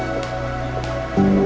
terima kasih ya